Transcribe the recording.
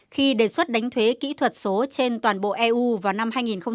khi đề xuất đánh thuế kỹ thuật số trên toàn bộ eu vào năm hai nghìn một mươi tám